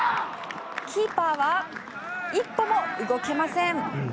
キーパーは１歩も動けません！